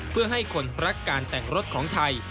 เพื่อให้คนรักการแต่งรถของไทย